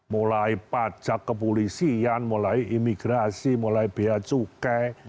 mulai pajak kepolisian mulai imigrasi mulai biaya cukai